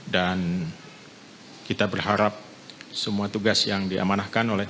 dan kita berharap semua tugas yang diamanahkan oleh